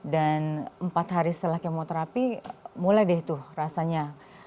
dan empat hari setelah kemoterapi mulai deh tuh rasanya